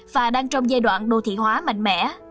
và đang trong giai đoạn đô thị hóa mạnh mẽ